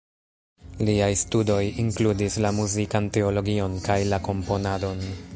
Liaj studoj inkludis la muzikan teologion kaj la komponadon.